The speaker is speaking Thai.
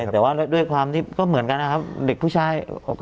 แต่ว่าด้วยความที่ก็เหมือนกันนะครับเด็กผู้ชาย